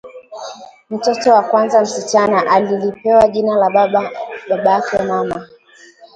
Mtoto wa kwanza msichana, alilipewa jina la babake mama